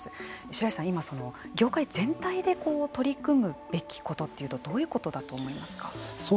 白石さん、今、業界全体で取り組むべきことはどういうことだと思いますか。